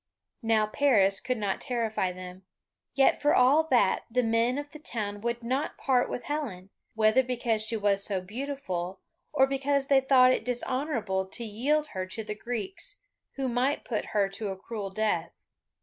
Now Paris could not terrify them, yet for all that the men of the town would not part with Helen, whether because she was so beautiful, or because they thought it dishonourable to yield her to the Greeks, who might put her to a cruel death.